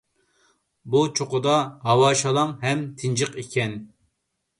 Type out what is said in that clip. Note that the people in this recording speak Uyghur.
بۇ چوققىدا ھاۋا شالاڭ ھەم تىنچىق ئىكەن.